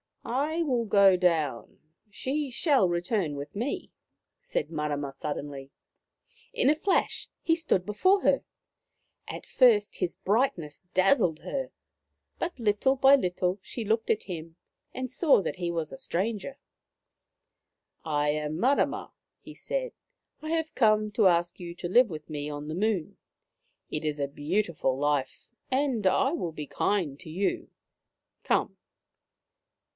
." I will go down ! She shall return with me," said Marama suddenly. In a flash he stood before her. At first his On the Moon 141 brightness dazzled her, but little by little she looked at him and saw that he was a stranger. I " I am Mamma," he said. " I have come to ask you to live with me on the Moon. It is a beautiful life, and I will be kind to you. Come